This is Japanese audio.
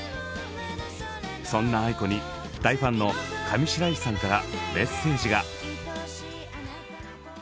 そんなａｉｋｏに大ファンの上白石さんからメッセージが。